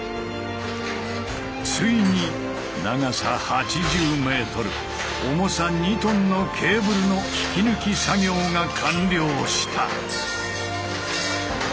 ついに長さ８０ｍ重さ２ｔのケーブルの引き抜き作業が完了した。